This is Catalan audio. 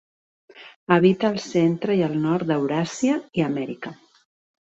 Habita al centre i al nord d'Euràsia i Amèrica.